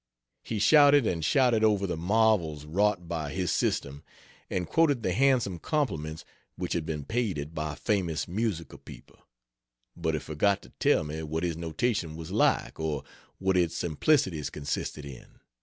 He shouted and shouted over the marvels wrought by his system, and quoted the handsome compliments which had been paid it by famous musical people; but he forgot to tell me what his notation was like, or what its simplicities consisted in.